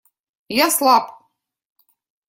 Я слаб.